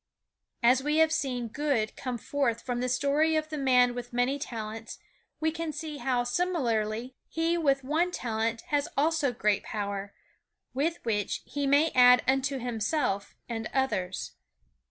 As we have seen good come forth from the story of the man with many talents, we can see how, similarly, he with one talent has also great power with which he may add unto himself and others.